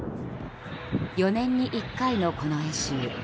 ４年に１回のこの演習。